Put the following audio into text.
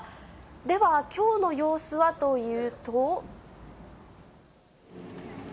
ではきょうの様子はというと。